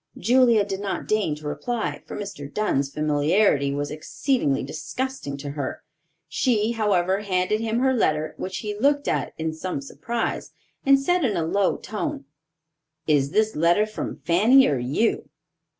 Julia did not deign to reply, for Mr. Dunn's familiarity was exceedingly disgusting to her. She, however, handed him her letter, which he looked at in some surprise, and said in a low tone, "Is this letter from Fanny, or you?"